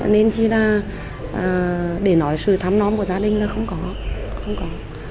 nên chỉ là để nói sự thăm non của gia đình là không có